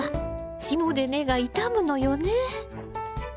霜で根が傷むのよね。